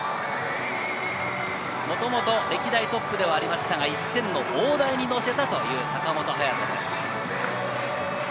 もともと歴代トップでありましたが、１０００の大台に乗せたという坂本勇人。